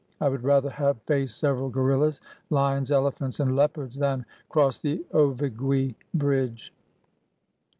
I would rather have faced several gorillas, lions, elephants, and leopards, than cross the Ovigui bridge.